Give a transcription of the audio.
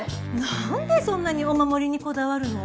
何でそんなにお守りにこだわるの？